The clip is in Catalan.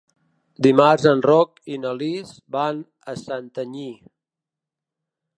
Dimarts en Roc i na Lis van a Santanyí.